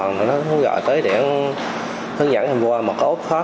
nó gọi tới để ổng hướng dẫn em qua một cái ốp khóa